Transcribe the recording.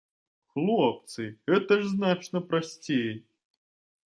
Хлопцы, гэта ж значна прасцей!